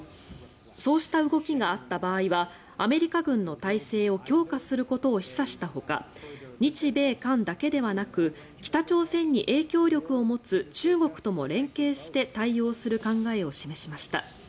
そうした動きがあった場合はアメリカ軍の態勢を強化することを示唆したほか日米韓だけではなく北朝鮮に影響力を持つ中国とも連携して対応する考えを示しました。